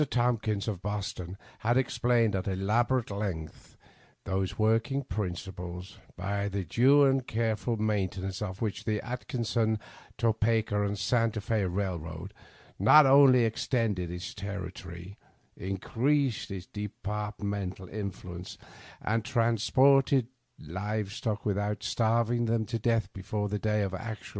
Tompkins, of Boston, had explained at elaborate length those working principles, by the due and careful mainte nance of which the Atchison, Topeka, and Santa F^ Railroad not only extended its territory, increased its departmental influence, and transported live stock with out starving them to death before the day of actual de * Cppyrighty 1885, by D.